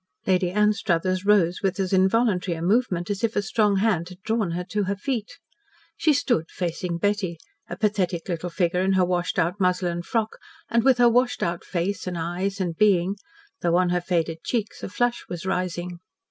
Lady Anstruthers rose with as involuntary a movement as if a strong hand had drawn her to her feet. She stood facing Betty, a pathetic little figure in her washed out muslin frock and with her washed out face and eyes and being, though on her faded cheeks a flush was rising.